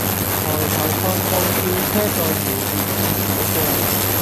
抬頭看到吊車在湖面上走過